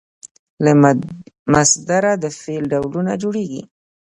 له مصدره د فعل ډولونه جوړیږي.